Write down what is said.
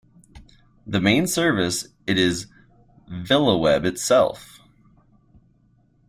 The main service it is VilaWeb itself.